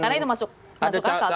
karena itu masuk akal tergantung